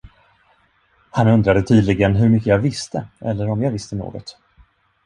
Han undrade tydligen, hur mycket jag visste, eller om jag visste något.